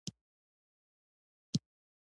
خو څنګلوري ملګري مو یو له بل سره په جنجال وو.